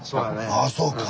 ああそうか。